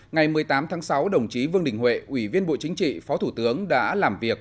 ngày một mươi tám tháng sáu đồng chí vương đình huệ ủy viên bộ chính trị phó thủ tướng đã làm việc